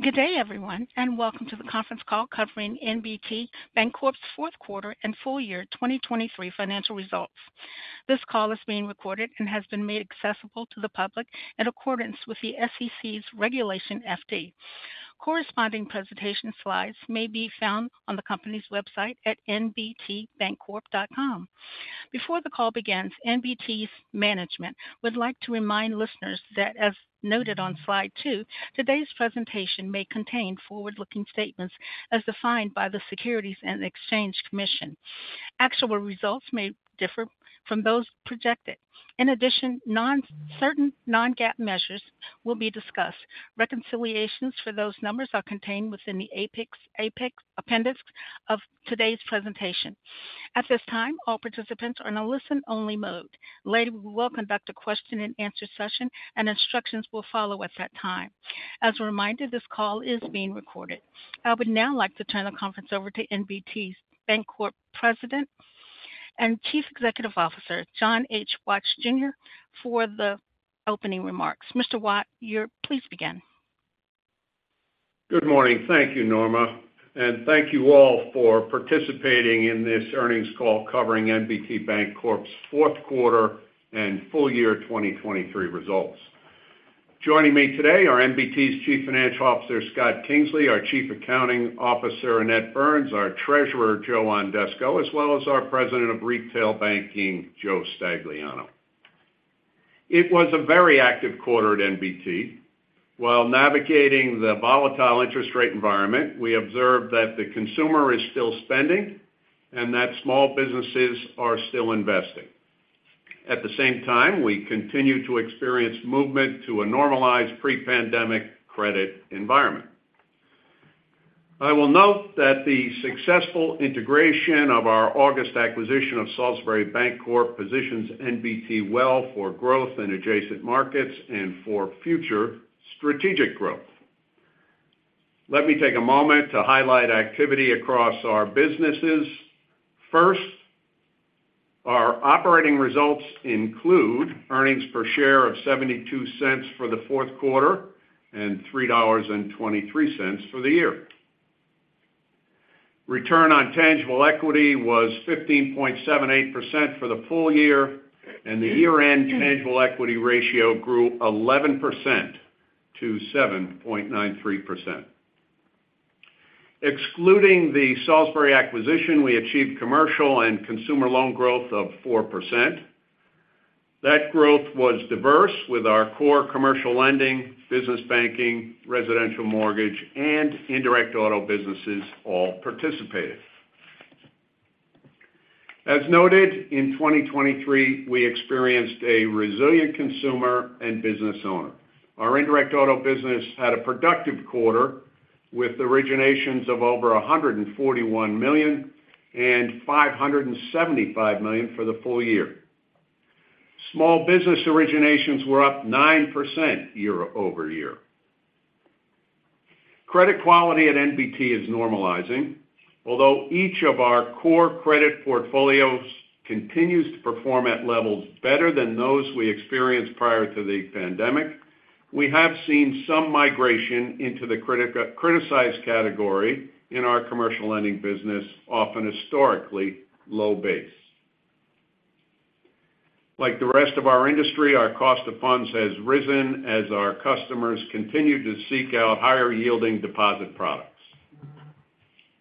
Good day, everyone, and welcome to the conference call covering NBT Bancorp's fQ4 and Full Year 2023 Financial Results. This call is being recorded and has been made accessible to the public in accordance with the SEC's Regulation FD. Corresponding presentation slides may be found on the company's website at nbtbancorp.com. Before the call begins, NBT's management would like to remind listeners that, as noted on slide 2, today's presentation may contain forward-looking statements as defined by the Securities and Exchange Commission. Actual results may differ from those projected. In addition, certain non-GAAP measures will be discussed. Reconciliations for those numbers are contained within the appendix of today's presentation. At this time, all participants are in a listen-only mode. Later, we will conduct a question-and-answer session and instructions will follow at that time. As a reminder, this call is being recorded. I would now like to turn the conference over to NBT Bancorp's President and Chief Executive Officer, John H. Watt, Jr., for the opening remarks. Mr. Watt, you're... Please begin. Good morning. Thank you, Norma, and thank you all for participating in this earnings call covering NBT Bancorp's Q4 and full year 2023 results. Joining me today are NBT's Chief Financial Officer, Scott Kingsley, our Chief Accounting Officer, Annette Burns, our Treasurer, Joe Ondesko, as well as our President of Retail Banking, Joe Stagliano. It was a very active quarter at NBT. While navigating the volatile interest rate environment, we observed that the consumer is still spending and that small businesses are still investing. At the same time, we continue to experience movement to a normalized pre-pandemic credit environment. I will note that the successful integration of our August acquisition of Salisbury Bancorp positions NBT well for growth in adjacent markets and for future strategic growth. Let me take a moment to highlight activity across our businesses. First, our operating results include earnings per share of $0.72 for the Q4 and $3.23 for the year. Return on tangible equity was 15.78% for the full year, and the year-end tangible equity ratio grew 11% to 7.93%. Excluding the Salisbury acquisition, we achieved commercial and consumer loan growth of 4%. That growth was diverse with our core commercial lending, business banking, residential mortgage, and indirect auto businesses all participated. As noted, in 2023, we experienced a resilient consumer and business owner. Our indirect auto business had a productive quarter, with originations of over $141 million and $575 million for the full year. Small business originations were up 9% year over year. Credit quality at NBT is normalizing. Although each of our core credit portfolios continues to perform at levels better than those we experienced prior to the pandemic, we have seen some migration into the criticized category in our commercial lending business from a historically low base. Like the rest of our industry, our cost of funds has risen as our customers continue to seek out higher-yielding deposit products.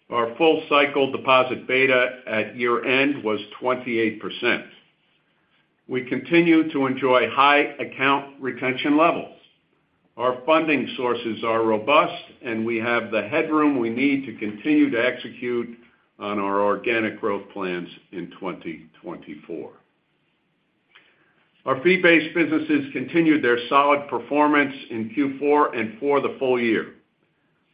Our full cycle deposit beta at year-end was 28%. We continue to enjoy high account retention levels. Our funding sources are robust, and we have the headroom we need to continue to execute on our organic growth plans in 2024. Our fee-based businesses continued their solid performance in Q4 and for the full year.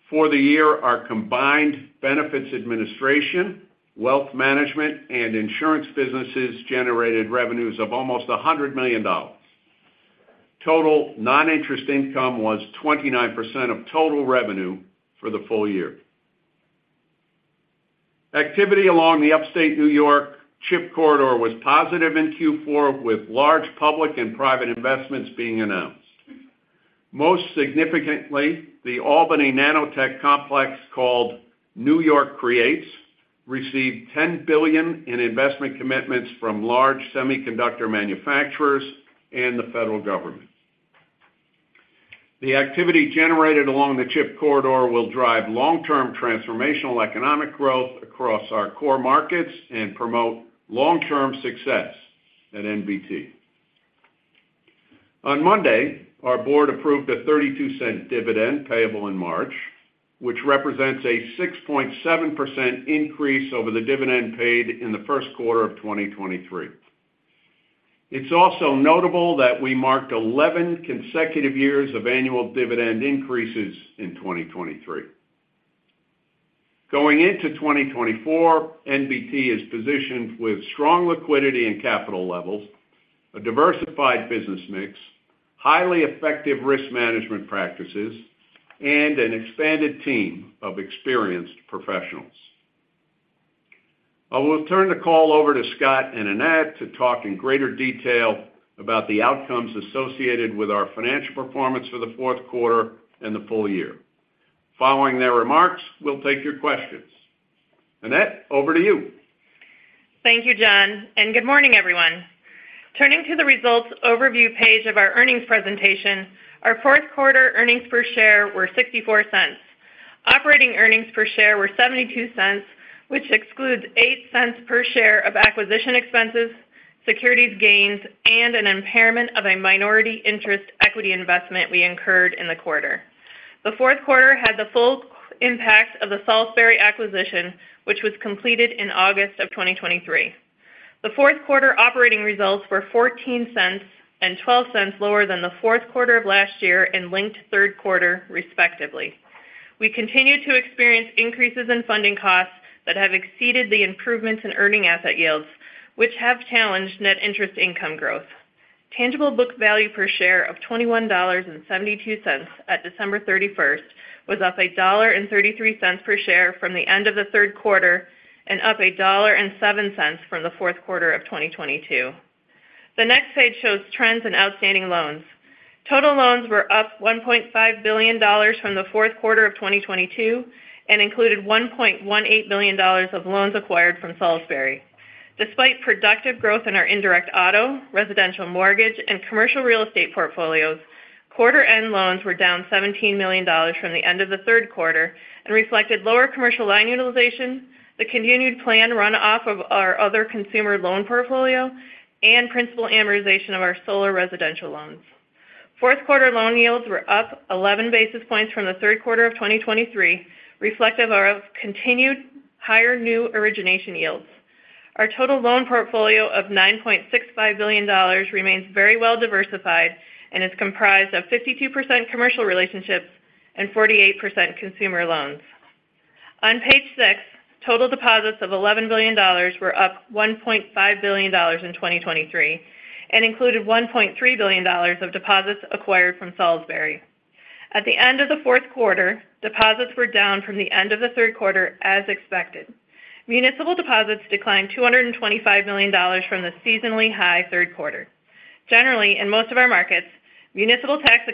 For the year, our combined benefits administration, wealth management, and insurance businesses generated revenues of almost $100 million. Total non-interest income was 29% of total revenue for the full year. Activity along the Upstate New York CHIP Corridor was positive in Q4, with large public and private investments being announced. Most significantly, the Albany Nanotech Complex, called NY CREATES, received $10 billion in investment commitments from large semiconductor manufacturers and the federal government. The activity generated along the CHIP Corridor will drive long-term transformational economic growth across our core markets and promote long-term success at NBT. On Monday, our board approved a $0.32 dividend payable in March, which represents a 6.7% increase over the dividend paid in the Q1 of 2023. It's also notable that we marked 11 consecutive years of annual dividend increases in 2023. Going into 2024, NBT is positioned with strong liquidity and capital levels, a diversified business mix, highly effective risk management practices, and an expanded team of experienced professionals. I will turn the call over to Scott and Annette to talk in greater detail about the outcomes associated with our financial performance for the Q4 and the full year. Following their remarks, we'll take your questions. Annette, over to you. Thank you, John, and good morning, everyone. Turning to the results overview page of our earnings presentation, our Q4 earnings per share were $0.64. Operating earnings per share were $0.72, which excludes $0.08 per share of acquisition expenses, securities gains, and an impairment of a minority interest equity investment we incurred in the quarter. The Q4 had the full impact of the Salisbury acquisition, which was completed in August 2023. The Q4 operating results were $0.14 and $0.12 lower than the Q4 of last year and linked Q3, respectively. We continued to experience increases in funding costs that have exceeded the improvements in earning asset yields, which have challenged net interest income growth. Tangible book value per share of $21.72 at December 31, was up $1.33 per share from the end of the Q3 and up $1.07 from the Q4 of 2022. The next page shows trends in outstanding loans. Total loans were up $1.5 billion from the Q4 of 2022 and included $1.18 billion of loans acquired from Salisbury. Despite productive growth in our indirect auto, residential mortgage, and commercial real estate portfolios, quarter-end loans were down $17 million from the end of the Q3 and reflected lower commercial line utilization, the continued planned run-off of our other consumer loan portfolio, and principal amortization of our solar residential loans. Q4 loan yields were up 11 basis points from the Q3 of 2023, reflective of continued higher new origination yields. Our total loan portfolio of $9.65 billion remains very well-diversified and is comprised of 52% commercial relationships and 48% consumer loans. On page six, total deposits of $11 billion were up $1.5 billion in 2023 and included $1.3 billion of deposits acquired from Salisbury. At the end of the Q4, deposits were down from the end of the Q3, as expected. Municipal deposits declined $225 million from the seasonally high Q3. Generally, in most of our markets, municipal tax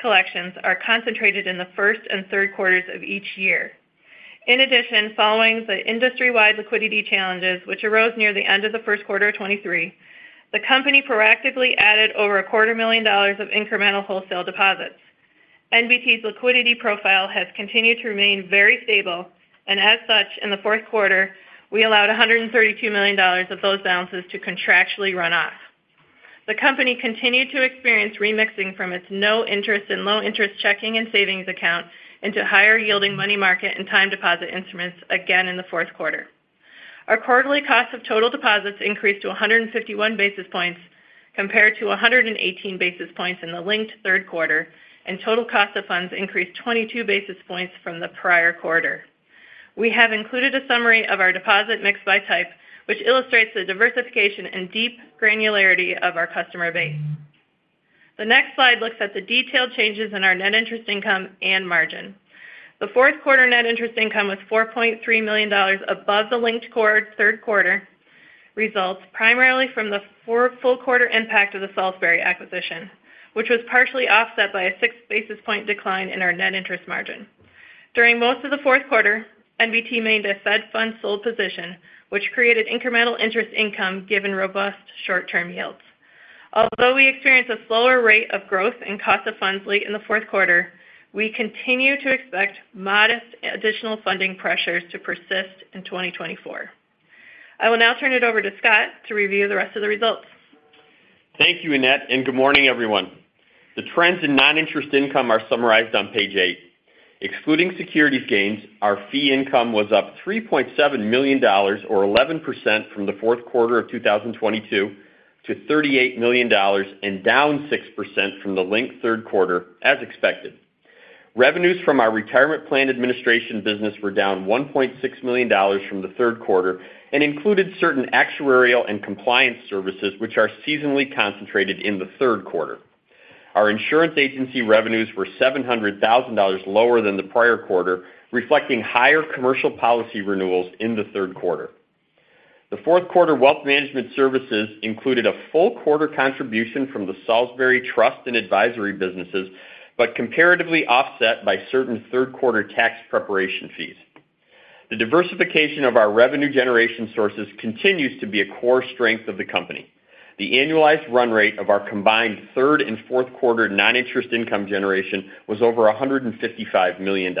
collections are concentrated in the first and third quarters of each year. In addition, following the industry-wide liquidity challenges, which arose near the end of the Q1 of 2023, the company proactively added over $250 million of incremental wholesale deposits. NBT's liquidity profile has continued to remain very stable, and as such, in the Q4, we allowed $132 million of those balances to contractually run off. The company continued to experience remixing from its no interest and low interest checking and savings accounts into higher-yielding money market and time deposit instruments again in the Q4. Our quarterly cost of total deposits increased to 151 basis points, compared to 118 basis points in the linked Q3, and total cost of funds increased 22 basis points from the prior quarter. We have included a summary of our deposit mix by type, which illustrates the diversification and deep granularity of our customer base. The next slide looks at the detailed changes in our net interest income and margin. The Q4 net interest income was $4.3 million above the linked third quarter results, primarily from the full quarter impact of the Salisbury acquisition, which was partially offset by a six basis point decline in our net interest margin. During most of the Q4, NBT maintained a Fed Funds sold position, which created incremental interest income given robust short-term yields. Although we experienced a slower rate of growth in cost of funds late in the Q4, we continue to expect modest additional funding pressures to persist in 2024. I will now turn it over to Scott to review the rest of the results. Thank you, Annette, and good morning, everyone. The trends in non-interest income are summarized on page 8. Excluding securities gains, our fee income was up $3.7 million, or 11%, from the Q4 of 2022 to $38 million and down 6% from the linked Q3, as expected. Revenues from our retirement plan administration business were down $1.6 million from the Q3 and included certain actuarial and compliance services, which are seasonally concentrated in the Q3. Our insurance agency revenues were $700,000 lower than the prior quarter, reflecting higher commercial policy renewals in the Q3. The Q4 wealth management services included a full quarter contribution from the Salisbury Trust and advisory businesses, but comparatively offset by certain Q3 tax preparation fees. The diversification of our revenue generation sources continues to be a core strength of the company. The annualized run rate of our combined third and Q4 non-interest income generation was over $155 million.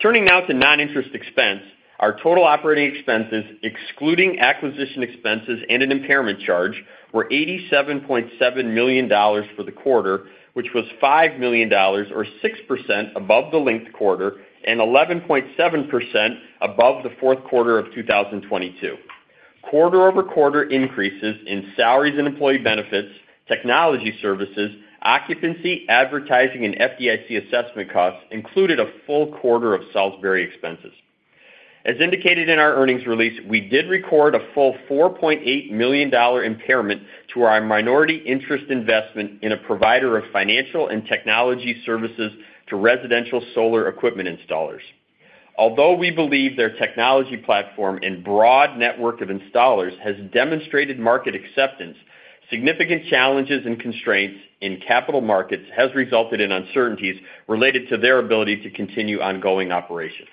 Turning now to non-interest expense, our total operating expenses, excluding acquisition expenses and an impairment charge, were $87.7 million for the quarter, which was $5 million or 6% above the linked quarter and 11.7% above the Q4 of 2022. Quarter-over-quarter increases in salaries and employee benefits, technology services, occupancy, advertising, and FDIC assessment costs included a full quarter of Salisbury expenses. As indicated in our earnings release, we did record a full $4.8 million impairment to our minority interest investment in a provider of financial and technology services to residential solar equipment installers. Although we believe their technology platform and broad network of installers has demonstrated market acceptance, significant challenges and constraints in capital markets has resulted in uncertainties related to their ability to continue ongoing operations.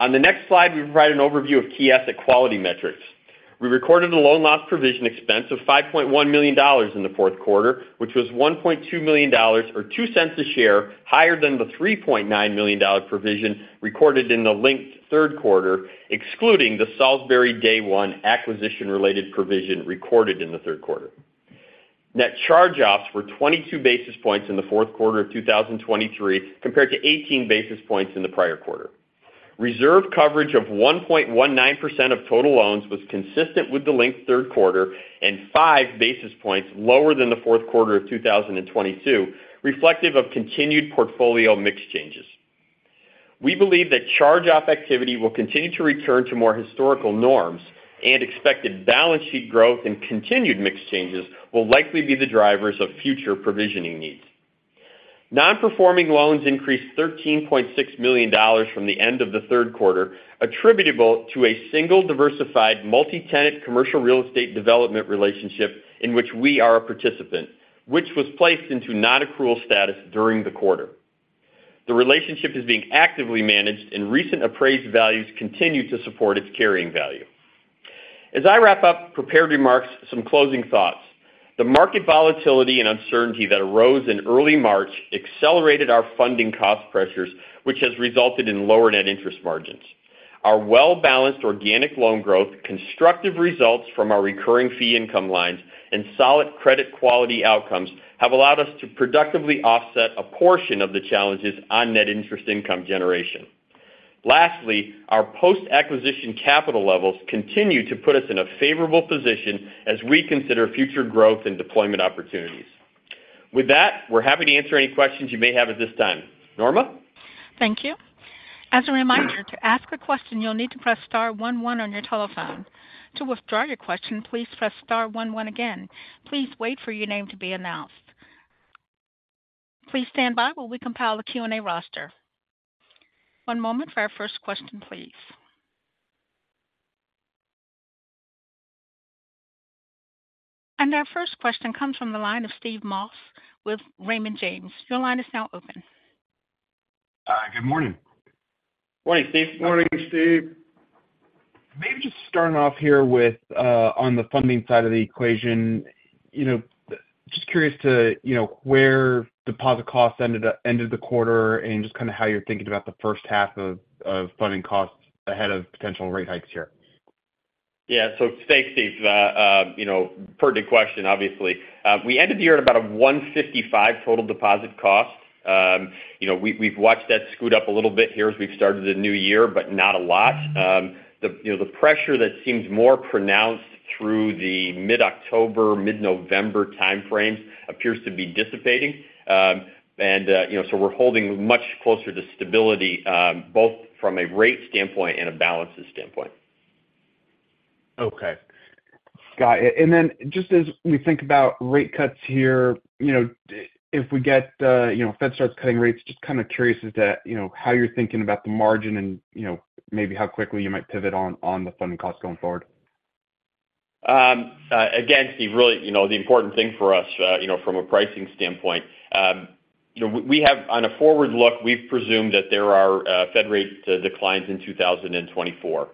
On the next slide, we provide an overview of key asset quality metrics. We recorded a loan loss provision expense of $5.1 million in the Q4, which was $1.2 million, or 2 cents a share, higher than the $3.9 million provision recorded in the linked Q3, excluding the Salisbury day one acquisition-related provision recorded in the Q3. Net charge-offs were 22 basis points in the Q4 of 2023, compared to 18 basis points in the prior quarter. Reserve coverage of 1.19% of total loans was consistent with the linked Q3 and 5 basis points lower than the Q4 of 2022, reflective of continued portfolio mix changes. We believe that charge-off activity will continue to return to more historical norms, and expected balance sheet growth and continued mix changes will likely be the drivers of future provisioning needs. Non-performing loans increased $13.6 million from the end of the Q3, attributable to a single diversified multi-tenant commercial real estate development relationship in which we are a participant, which was placed into non-accrual status during the quarter. The relationship is being actively managed and recent appraised values continue to support its carrying value. As I wrap up prepared remarks, some closing thoughts. The market volatility and uncertainty that arose in early March accelerated our funding cost pressures, which has resulted in lower net interest margins. Our well-balanced organic loan growth, constructive results from our recurring fee income lines and solid credit quality outcomes have allowed us to productively offset a portion of the challenges on net interest income generation. Lastly, our post-acquisition capital levels continue to put us in a favorable position as we consider future growth and deployment opportunities. With that, we're happy to answer any questions you may have at this time. Norma? Thank you. As a reminder, to ask a question, you'll need to press star one one on your telephone. To withdraw your question, please press star one one again. Please wait for your name to be announced. Please stand by while we compile the Q&A roster. One moment for our first question, please. Our first question comes from the line of Steve Moss with Raymond James. Your line is now open. Hi, good morning. Morning, Steve. Morning, Steve. Maybe just starting off here with, on the funding side of the equation, you know, just curious to, you know, where deposit costs ended up—ended the quarter and just kind of how you're thinking about the first half of funding costs ahead of potential rate hikes here. Yeah. So thanks, Steve. You know, pertinent question, obviously. We ended the year at about a 155 total deposit cost. You know, we, we've watched that scoot up a little bit here as we've started the new year, but not a lot. You know, the pressure that seems more pronounced through the mid-October, mid-November time frame appears to be dissipating. And, you know, so we're holding much closer to stability, both from a rate standpoint and a balances standpoint. Okay. Got it. And then just as we think about rate cuts here, you know, if we get, you know, Fed starts cutting rates, just kind of curious as to, you know, how you're thinking about the margin and, you know, maybe how quickly you might pivot on, on the funding costs going forward? Again, Steve, really, you know, the important thing for us, you know, from a pricing standpoint, you know, we have-- on a forward look, we've presumed that there are Fed rate declines in 2024.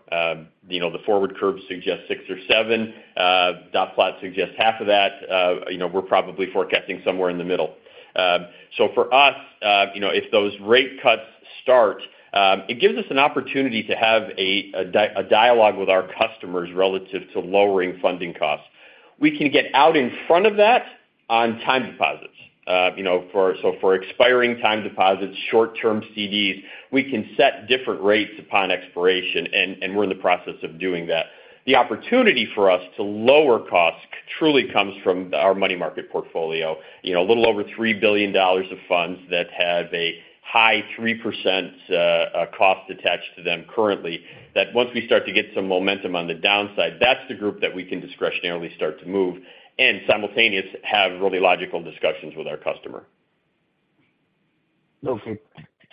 You know, the forward curve suggests 6 or 7, dot plot suggests half of that. You know, we're probably forecasting somewhere in the middle. So for us, you know, if those rate cuts start, it gives us an opportunity to have a dialogue with our customers relative to lowering funding costs. We can get out in front of that on time deposits. You know, so for expiring time deposits, short-term CDs, we can set different rates upon expiration, and we're in the process of doing that. The opportunity for us to lower costs truly comes from our money market portfolio. You know, a little over $3 billion of funds that have a high 3% cost attached to them currently, that once we start to get some momentum on the downside, that's the group that we can discretionarily start to move and simultaneously have really logical discussions with our customer. No,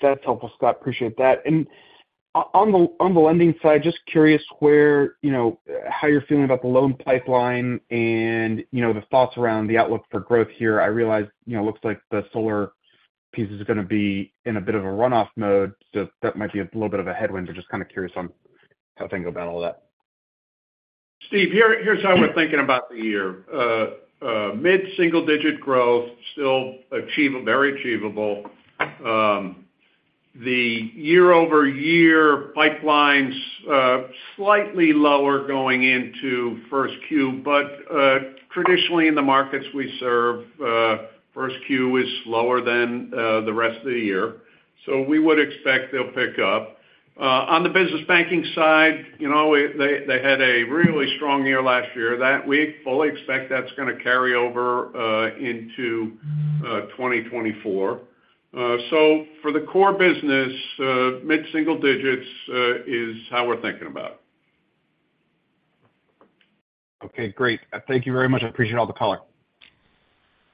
that's helpful, Scott. Appreciate that. And on the lending side, just curious where, you know, how you're feeling about the loan pipeline and, you know, the thoughts around the outlook for growth here. I realize, you know, it looks like the solar piece is gonna be in a bit of a runoff mode, so that might be a little bit of a headwind. But just kind of curious on how to think about all that. Steve, here, here's how we're thinking about the year. Mid-single-digit growth still very achievable. The year-over-year pipelines slightly lower going into first Q, but traditionally in the markets we serve, first Q is lower than the rest of the year, so we would expect they'll pick up. On the business banking side, you know, they, they had a really strong year last year. That we fully expect that's gonna carry over into 2024. So for the core business, mid-single digits is how we're thinking about it.... Okay, great. Thank you very much. I appreciate all the color.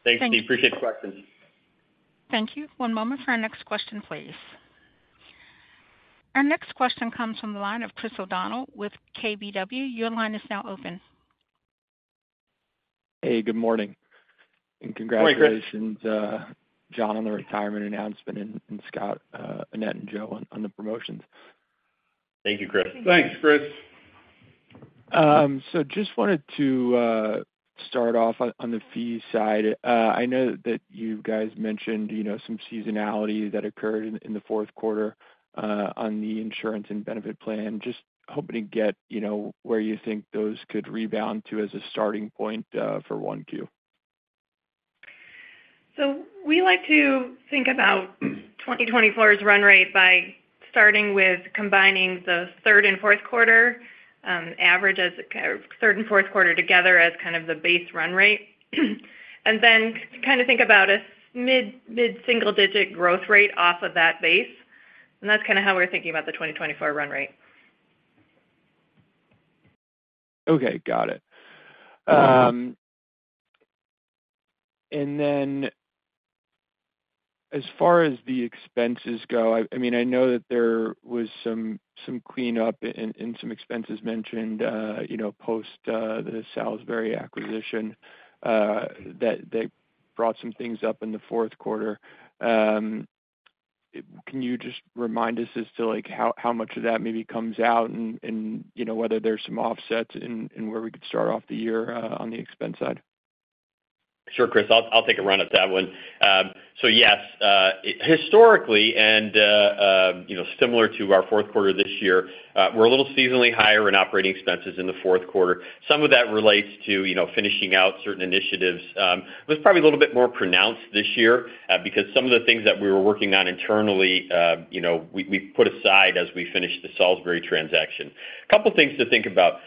Thanks, Steve. Appreciate the question. Thank you. One moment for our next question, please. Our next question comes from the line of Chris O'Connell with KBW. Your line is now open. Hey, good morning, and congratulations- Good morning, Chris. John, on the retirement announcement, and Scott, Annette, and Joe on the promotions. Thank you, Chris. Thanks, Chris. So just wanted to start off on the fee side. I know that you guys mentioned, you know, some seasonality that occurred in the Q4 on the insurance and benefit plan. Just hoping to get, you know, where you think those could rebound to as a starting point for 1Q. So we like to think about 2024's run rate by starting with combining the third and Q4 averages, third and Q4 together as kind of the base run rate. And then kind of think about a mid-single-digit growth rate off of that base, and that's kinda how we're thinking about the 2024 run rate. Okay, got it. And then as far as the expenses go, I mean, I know that there was some cleanup and some expenses mentioned, you know, post the Salisbury acquisition, that brought some things up in the Q4. Can you just remind us as to, like, how much of that maybe comes out and, you know, whether there's some offsets and where we could start off the year on the expense side? Sure, Chris, I'll take a run at that one. So yes, historically, and you know, similar to our Q4 this year, we're a little seasonally higher in operating expenses in the Q4. Some of that relates to, you know, finishing out certain initiatives. It was probably a little bit more pronounced this year, because some of the things that we were working on internally, you know, we put aside as we finished the Salisbury transaction. A couple things to think about,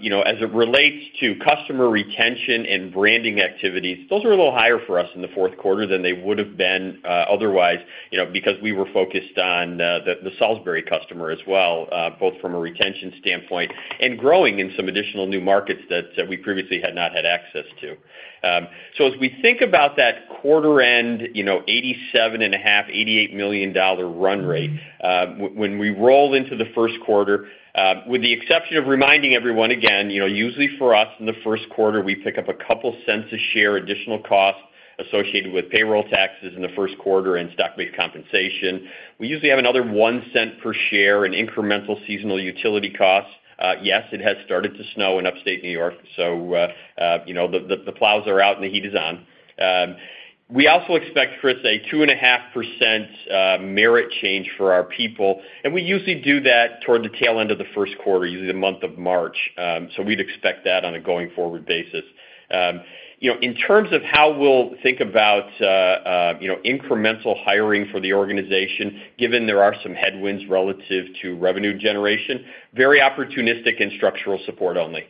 you know, as it relates to customer retention and branding activities, those were a little higher for us in the Q4 than they would have been, otherwise, you know, because we were focused on the Salisbury customer as well, both from a retention standpoint and growing in some additional new markets that we previously had not had access to. So as we think about that quarter end, you know, $87.5-$88 million run rate, when we roll into the Q1, with the exception of reminding everyone again, you know, usually for us in the Q1, we pick up a couple cents a share, additional costs associated with payroll taxes in the Q1 and stock-based compensation. We usually have another $0.01 per share in incremental seasonal utility costs. Yes, it has started to snow in Upstate New York, so you know, the plows are out and the heat is on. We also expect, Chris, a 2.5% merit change for our people, and we usually do that toward the tail end of the Q1, usually the month of March. So we'd expect that on a going-forward basis. You know, in terms of how we'll think about, you know, incremental hiring for the organization, given there are some headwinds relative to revenue generation, very opportunistic and structural support only.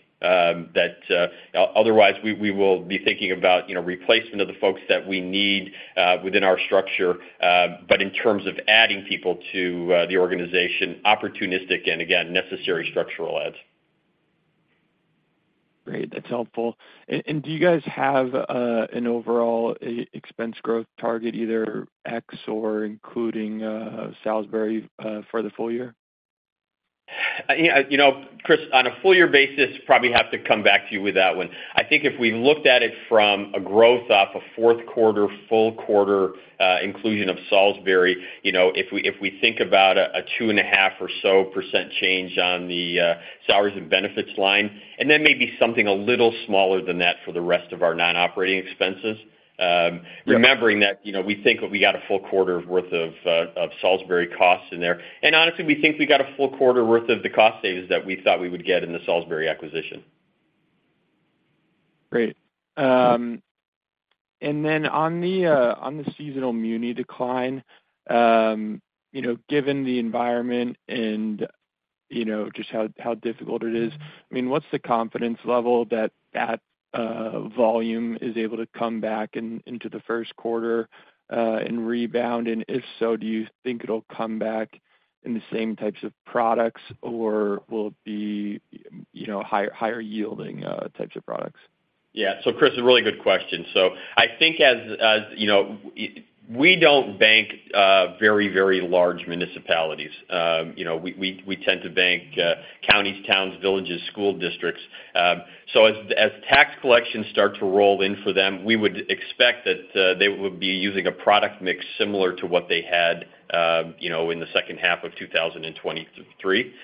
Otherwise, we will be thinking about, you know, replacement of the folks that we need within our structure, but in terms of adding people to the organization, opportunistic and again, necessary structural adds. Great, that's helpful. And do you guys have an overall expense growth target, either ex or including Salisbury for the full year? Yeah, you know, Chris, on a full year basis, probably have to come back to you with that one. I think if we looked at it from a growth off a Q4, full quarter, inclusion of Salisbury, you know, if we think about a 2.5% or so change on the salaries and benefits line, and then maybe something a little smaller than that for the rest of our non-operating expenses. Yep. remembering that, you know, we think we got a full quarter worth of of Salisbury costs in there, and honestly, we think we got a full quarter worth of the cost savings that we thought we would get in the Salisbury acquisition. Great. And then on the seasonal muni decline, you know, given the environment and, you know, just how, how difficult it is, I mean, what's the confidence level that that volume is able to come back in, into the Q1 and rebound? And if so, do you think it'll come back in the same types of products, or will it be, you know, higher, higher yielding types of products? Yeah. So Chris, a really good question. So I think as, as you know, we don't bank very, very large municipalities. You know, we, we, we tend to bank counties, towns, villages, school districts. So as, as tax collections start to roll in for them, we would expect that they would be using a product mix similar to what they had, you know, in the second half of 2023.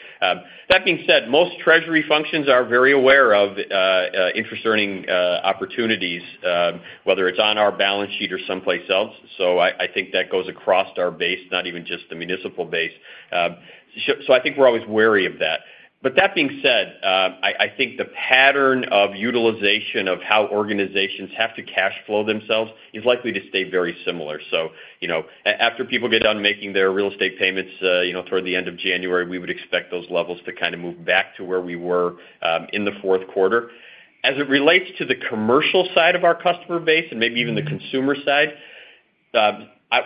That being said, most treasury functions are very aware of interest-earning opportunities, whether it's on our balance sheet or someplace else. So I, I think that goes across our base, not even just the municipal base. So I think we're always wary of that. But that being said, I think the pattern of utilization of how organizations have to cash flow themselves is likely to stay very similar. So, you know, after people get done making their real estate payments, you know, toward the end of January, we would expect those levels to kind of move back to where we were in the Q4. As it relates to the commercial side of our customer base, and maybe even the consumer side,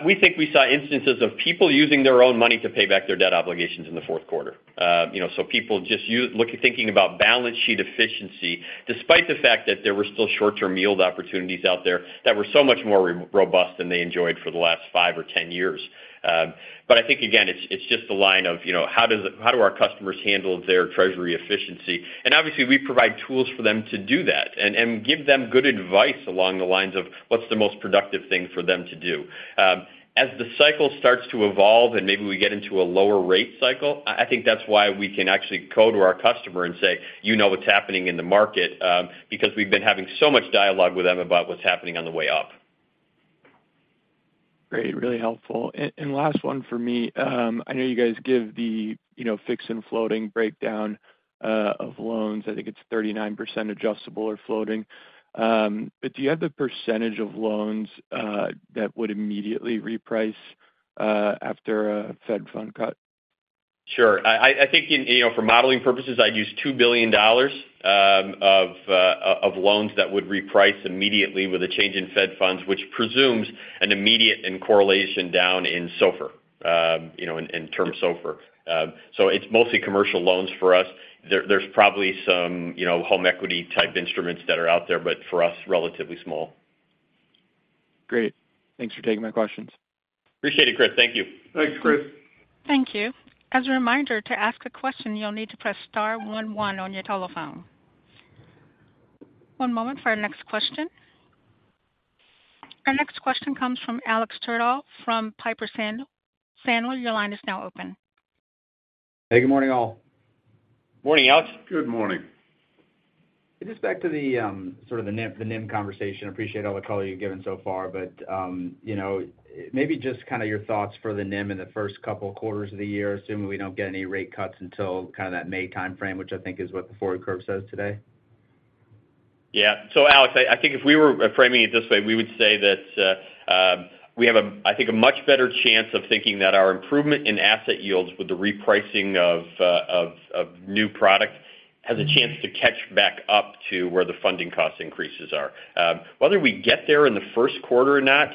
we think we saw instances of people using their own money to pay back their debt obligations in the Q4. You know, so people just look, thinking about balance sheet efficiency, despite the fact that there were still short-term yield opportunities out there that were so much more robust than they enjoyed for the last 5 or 10 years. But I think, again, it's just a line of, you know, how do our customers handle their treasury efficiency? And obviously, we provide tools for them to do that and give them good advice along the lines of what's the most productive thing for them to do. As the cycle starts to evolve and maybe we get into a lower rate cycle, I think that's why we can actually go to our customer and say, "You know what's happening in the market," because we've been having so much dialogue with them about what's happening on the way up. Great, really helpful. And last one for me. I know you guys give the, you know, fixed and floating breakdown of loans. I think it's 39% adjustable or floating. But do you have the percentage of loans that would immediately reprice after a Fed Funds cut? Sure. I think in, you know, for modeling purposes, I'd use $2 billion of, of loans that would reprice immediately with a change in Fed Funds, which presumes an immediate and correlation down in SOFR, you know, in term SOFR. So it's mostly commercial loans for us. There's probably some, you know, home equity type instruments that are out there, but for us, relatively small. Great. Thanks for taking my questions. Appreciate it, Chris. Thank you. Thanks, Chris. Thank you. As a reminder, to ask a question, you'll need to press star one one on your telephone. One moment for our next question. Our next question comes from Alex Twerdahl from Piper Sandler. Your line is now open. Hey, good morning, all. Morning, Alex. Good morning. Just back to the, sort of the NIM, the NIM conversation. I appreciate all the color you've given so far, but, you know, maybe just kind of your thoughts for the NIM in the first couple of quarters of the year, assuming we don't get any rate cuts until kind of that May timeframe, which I think is what the forward curve says today. Yeah. So Alex, I think if we were framing it this way, we would say that we have, I think, a much better chance of thinking that our improvement in asset yields with the repricing of new product has a chance to catch back up to where the funding cost increases are. Whether we get there in the Q1 or not,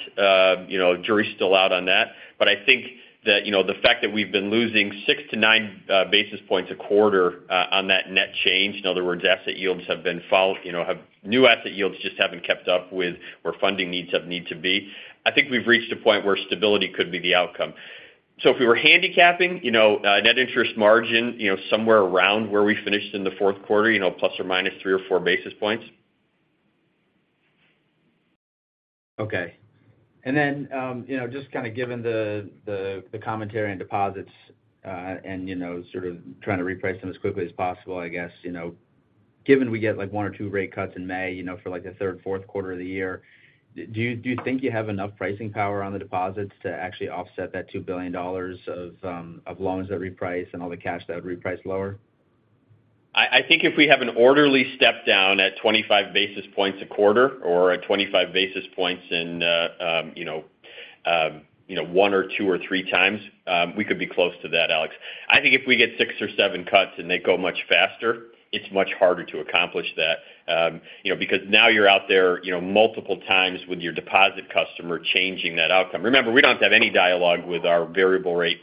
you know, jury's still out on that. But I think that, you know, the fact that we've been losing 6-9 basis points a quarter on that net change, in other words, asset yields have been falling, you know, new asset yields just haven't kept up with where funding needs have needed to be. I think we've reached a point where stability could be the outcome. So if we were handicapping, you know, net interest margin, you know, somewhere around where we finished in the Q4, you know, plus or minus 3 or 4 basis points. Okay. And then, you know, just kind of given the commentary on deposits, and, you know, sort of trying to reprice them as quickly as possible, I guess, you know, given we get, like, 1 or 2 rate cuts in May, you know, for like the third, Q4 of the year, do you, do you think you have enough pricing power on the deposits to actually offset that $2 billion of loans that reprice and all the cash that would reprice lower? I think if we have an orderly step down at 25 basis points a quarter or at 25 basis points in, you know, 1 or 2 or 3 times, we could be close to that, Alex. I think if we get 6 or 7 cuts and they go much faster, it's much harder to accomplish that, you know, because now you're out there, you know, multiple times with your deposit customer changing that outcome. Remember, we don't have to have any dialogue with our variable rate,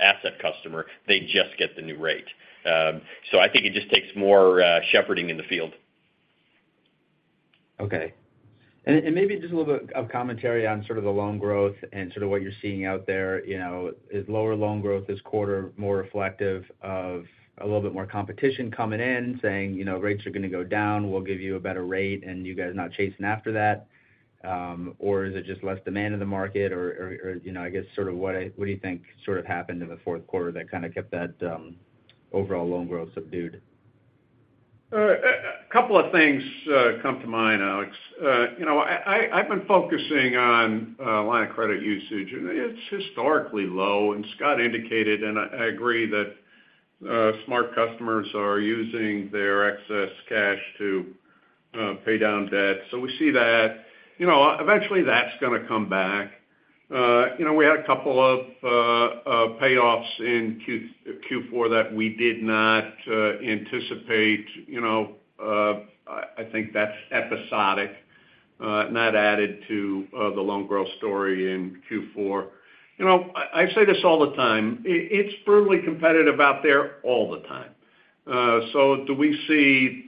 asset customer. They just get the new rate. So I think it just takes more, shepherding in the field. Okay. And, and maybe just a little bit of commentary on sort of the loan growth and sort of what you're seeing out there. You know, is lower loan growth this quarter more reflective of a little bit more competition coming in, saying, you know, rates are going to go down, we'll give you a better rate, and you guys not chasing after that? Or is it just less demand in the market, or, you know, I guess, sort of what do you think sort of happened in the Q4 that kind of kept that, overall loan growth subdued? A couple of things come to mind, Alex. You know, I've been focusing on line of credit usage, and it's historically low, and Scott indicated, and I agree that smart customers are using their excess cash to pay down debt. So we see that. You know, eventually, that's going to come back. You know, we had a couple of payoffs in Q4 that we did not anticipate. You know, I think that's episodic, not added to the loan growth story in Q4. You know, I say this all the time, it's brutally competitive out there all the time. So do we see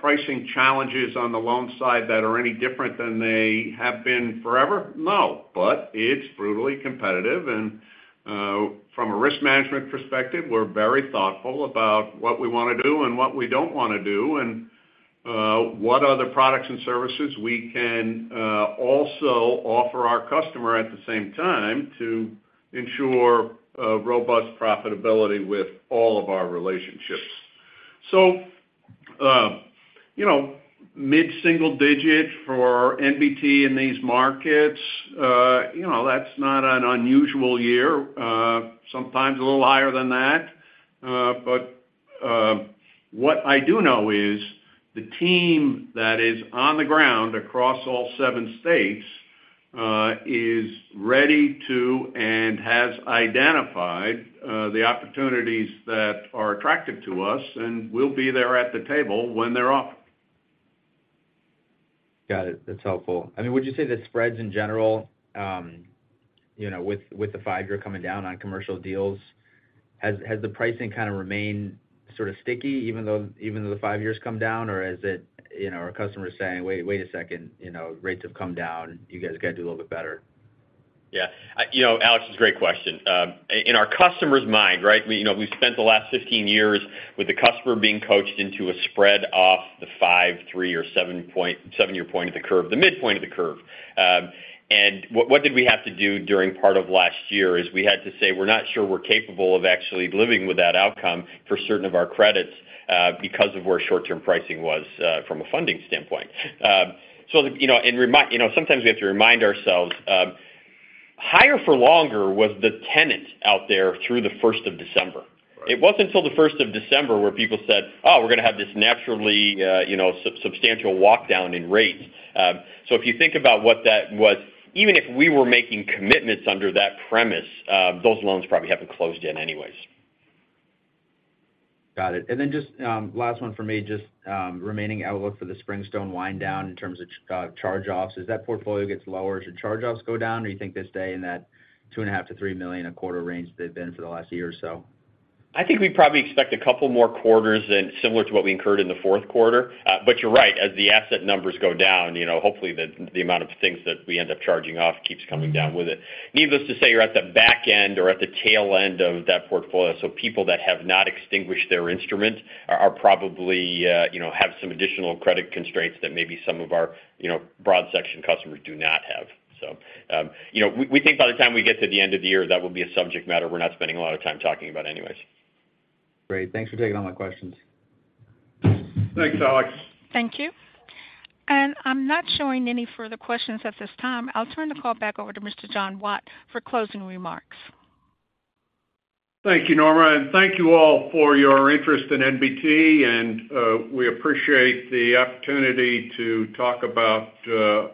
pricing challenges on the loan side that are any different than they have been forever? No, but it's brutally competitive, and from a risk management perspective, we're very thoughtful about what we want to do and what we don't want to do, and what other products and services we can also offer our customer at the same time to ensure a robust profitability with all of our relationships. So, you know, mid-single digit for NBT in these markets, you know, that's not an unusual year, sometimes a little higher than that. But what I do know is the team that is on the ground across all seven states is ready to and has identified the opportunities that are attractive to us, and we'll be there at the table when they're offered.... Got it. That's helpful. I mean, would you say that spreads in general, you know, with, with the five-year coming down on commercial deals, has, has the pricing kind of remained sort of sticky, even though, even though the five years come down, or is it, you know, are customers saying, "Wait, wait a second, you know, rates have come down. You guys got to do a little bit better? Yeah. You know, Alex, it's a great question. In our customer's mind, right, we, you know, we've spent the last 15 years with the customer being coached into a spread off the 5, 3 or 7-year point of the curve, the midpoint of the curve. And what did we have to do during part of last year is we had to say, we're not sure we're capable of actually living with that outcome for certain of our credits, because of where short-term pricing was, from a funding standpoint. So, you know, and remind— you know, sometimes we have to remind ourselves, higher for longer was the tenant out there through the first of December. It wasn't until the first of December where people said, "Oh, we're going to have this naturally, you know, substantial walk down in rates." So if you think about what that was, even if we were making commitments under that premise, those loans probably haven't closed in anyways. Got it. And then just, last one for me, just, remaining outlook for the Springstone wind down in terms of charge-offs. As that portfolio gets lower, should charge-offs go down, or you think they stay in that $2.5-$3 million a quarter range they've been for the last year or so? I think we probably expect a couple more quarters and similar to what we incurred in the Q4. But you're right, as the asset numbers go down, you know, hopefully, the amount of things that we end up charging off keeps coming down with it. Needless to say, you're at the back end or at the tail end of that portfolio, so people that have not extinguished their instruments are probably, you know, have some additional credit constraints that maybe some of our, you know, broad section customers do not have. So, you know, we think by the time we get to the end of the year, that will be a subject matter we're not spending a lot of time talking about anyways. Great. Thanks for taking all my questions. Thanks, Alex. Thank you. I'm not showing any further questions at this time. I'll turn the call back over to Mr. John Watt for closing remarks. Thank you, Norma, and thank you all for your interest in NBT, and we appreciate the opportunity to talk about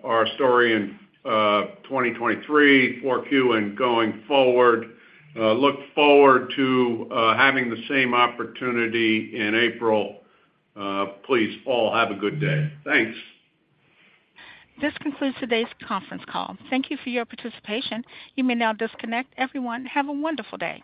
our story in 2023, 4Q and going forward. Look forward to having the same opportunity in April. Please all have a good day. Thanks. This concludes today's conference call. Thank you for your participation. You may now disconnect. Everyone, have a wonderful day!